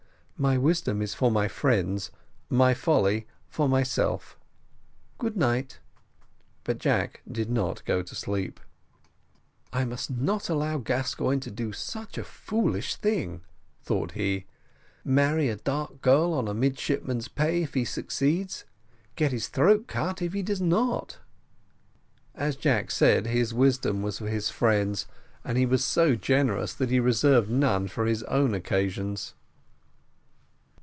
"My wisdom is for my friends, my folly for myself. Good night." But Jack did not go to sleep. "I must not allow Gascoigne to do such a foolish thing," thought he "marry a dark girl on midshipman's pay, if he succeeds get his throat cut if he does not." As Jack said, his wisdom was for his friends, and he was so generous that he reserved none for his own occasions.